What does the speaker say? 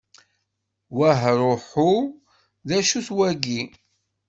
Wahruḥu d-acu-t wagi?